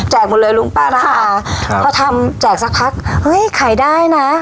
ใจกลงเลยลุงป้านะพอทำแจกสักพักฮ่ยขายได้นะ